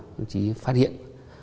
đồng chí phát hiện